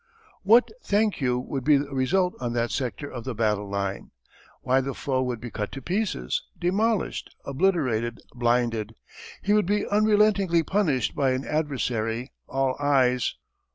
What think you would be the result on that sector of the battle line? Why the foe would be cut to pieces, demolished, obliterated. Blinded, he would be unrelentingly punished by an adversary all eyes.